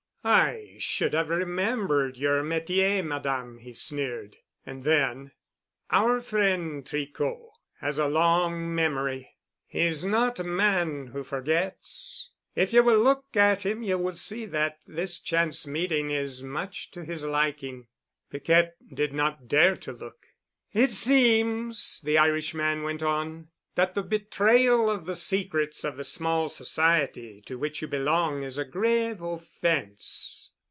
"I should have remembered your métier, Madame," he sneered. And then, "Our friend Tricot has a long memory. He is not a man who forgets. If you will look at him you will see that this chance meeting is much to his liking." Piquette did not dare to look. "It seems," the Irishman went on, "that the betrayal of the secrets of the small society to which you belong is a grave offense."